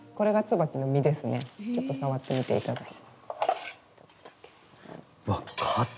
ちょっと触ってみてください。